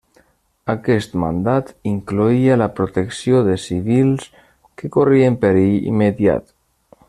Aquest mandat incloïa la protecció de civils que corrien perill immediat.